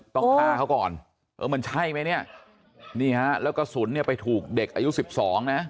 ต้องฆ่าเขาก่อนเออมันใช่ไหมเนี่ยนี่ฮะแล้วกระสุนเนี่ยไปถูกเด็กอายุ๑๒นะ